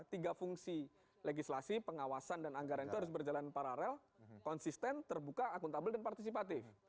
tiga fungsi legislasi pengawasan dan anggaran itu harus berjalan paralel konsisten terbuka akuntabel dan partisipatif